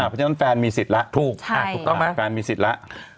เพราะฉะนั้นแฟนมีสิทธิ์แล้วถูกถูกต้องไหมแฟนมีสิทธิ์แล้ว